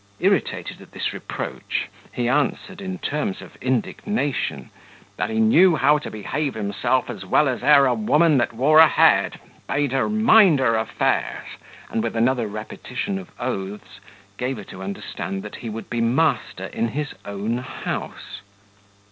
Irritated at this reproach, he answered, in terms of indignation, that he knew how to behave himself as well as e'er a woman that wore a head, bade her mind her affairs, and with another repetition of oaths gave her to understand that he would be master in his own house.